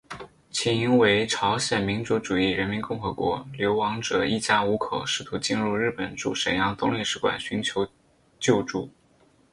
起因为朝鲜民主主义人民共和国流亡者一家五口试图进入日本驻沈阳总领事馆寻求救助。